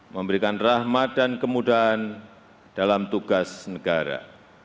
memberikan rahmat dan kemudahan dalam tugas negara